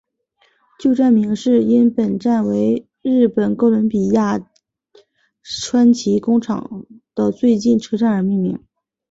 旧站名是因本站为日本哥伦比亚川崎工厂的最近车站而命名。